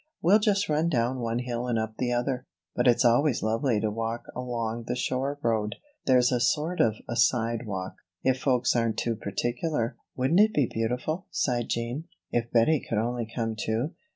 "We'll just run down one hill and up the other; but it's always lovely to walk along the shore road. There's a sort of a side walk if folks aren't too particular." "Wouldn't it be beautiful," sighed Jean, "if Bettie could only come too?